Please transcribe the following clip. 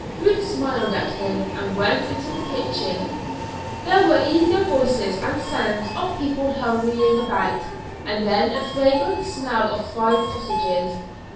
Ruth smiled at him and went into the kitchen. There were eager voices and sounds of people hurrying about, and then a fragrant smell of fried sausages.